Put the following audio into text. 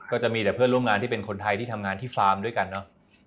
ก็จะมีแต่เพื่อนร่วมงานที่เป็นคนไทยที่ทำงานที่ฟาร์มด้วยกันเนอะ